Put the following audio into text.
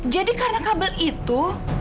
jadi karena kabel itu